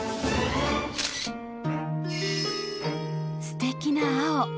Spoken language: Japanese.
すてきな青。